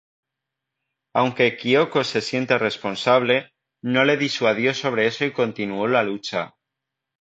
Aunque Kyoko se siente responsable, no le disuadió sobre eso y continuó la lucha.